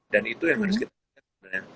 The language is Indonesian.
dan itu yang harus kita lihat sebenarnya